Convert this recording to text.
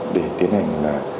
để tiến hành